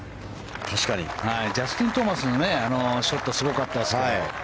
ジャスティン・トーマスのショットはすごかったですけど。